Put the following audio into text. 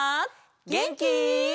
げんき？